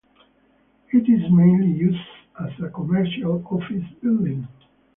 It is mainly used as a commercial office building.